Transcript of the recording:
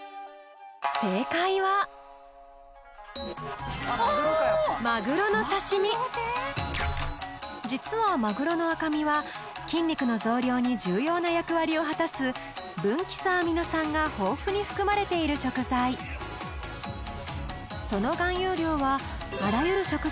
正解は実はマグロの赤身は筋肉の増量に重要な役割を果たす分岐鎖アミノ酸が豊富に含まれている食材その含有量はあらゆる食材の中で